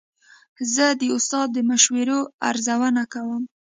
زه د استاد د مشورو ارزونه کوم.